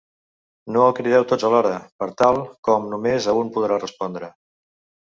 No el crideu tots alhora, per tal com només a un podrà respondre.